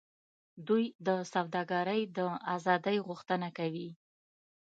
دوی د سوداګرۍ د آزادۍ غوښتنه کوي